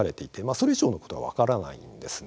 それ以上のことは分からないんです。